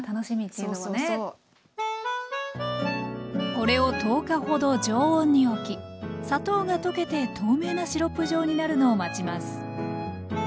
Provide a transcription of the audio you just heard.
これを１０日ほど常温におき砂糖が溶けて透明なシロップ状になるのを待ちます